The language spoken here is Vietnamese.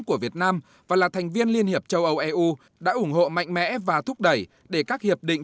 của việt nam và là thành viên liên hiệp châu âu eu đã ủng hộ mạnh mẽ và thúc đẩy để các hiệp định